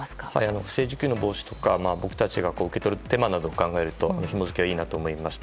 不正受給の防止とか僕たちが受け取る手間を考えると、ひも付けはいいなと思いました。